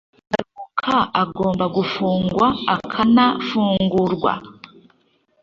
Rutebuka agomba gufungwa akana fungurwa.